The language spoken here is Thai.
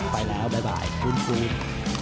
ไปแล้วบ๊ายบายฟรุ้งฟรุ้ง